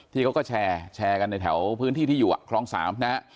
ที่เขาก็แชร์แชร์กันในแถวพื้นที่ที่อยู่ครอง๓นะ